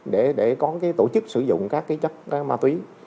để có tổ chức sử dụng các chất ma túy